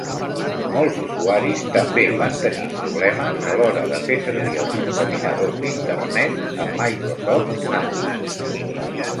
Molts usuaris també van tenir problemes a l'hora de fer servir els encaminadors d'internet amb Microsoft Ants.